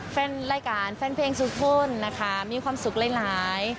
แฟนรายการแฟนเพลงทุกคนนะคะมีความสุขหลาย